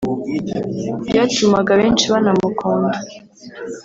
byatumaga benshi banamukunda